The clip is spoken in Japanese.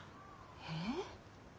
えっ？